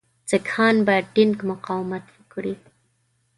سیکهان به ټینګ مقاومت وکړي.